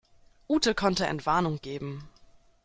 Ute konnte Entwarnung geben.